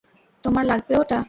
তোমার লাগবে ওটা?